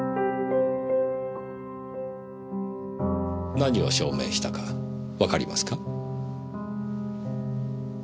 何を証明したかわかりますか？